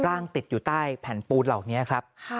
ร่างติดอยู่ใต้แผ่นปูนเหล่านี้ครับ